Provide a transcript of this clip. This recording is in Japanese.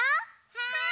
はい！